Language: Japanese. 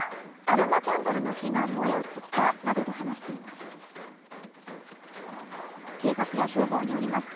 アロマキャンドルの火が燃え移ったなどと話しています。